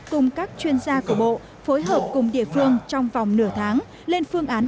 cùng các chuyên gia của bộ phối hợp cùng địa phương trong vòng nửa tháng lên phương án